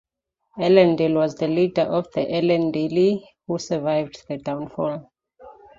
Elendil was the leader of the Elendili who survived the Downfall.